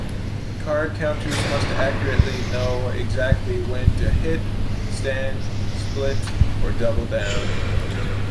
Card counters must accurately know exactly when to hit, stand, split, or double down.